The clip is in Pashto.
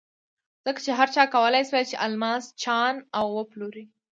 ځکه چې هر چا کولای شول چې الماس چاڼ او وپلوري.